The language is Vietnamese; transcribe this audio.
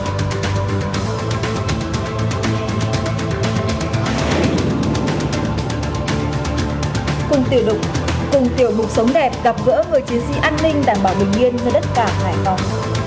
cùng tiểu bục sống đẹp gặp gỡ người chiến sĩ an ninh đảm bảo bình yên cho đất cả hải phòng